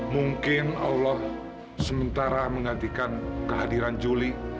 mungkin allah sementara menggantikan kehadiran julie